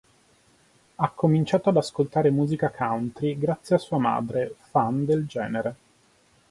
Ha cominciato ad ascoltare musica country grazie a sua madre, fan del genere.